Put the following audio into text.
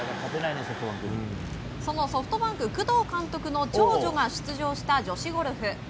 そのソフトバンク、工藤監督の長女が出場した女子ゴルフ。